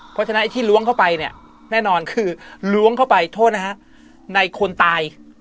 เพราะฉะนั้นไอ้ที่ล้วงเข้าไปเนี่ยแน่นอนคือล้วงเข้าไปโทษนะฮะในคนตาย